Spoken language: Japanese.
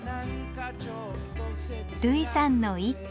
類さんの一句。